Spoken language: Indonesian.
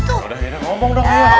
udah udah ngomong dong